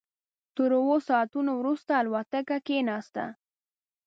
تر اوو ساعتونو وروسته الوتکه کېناسته.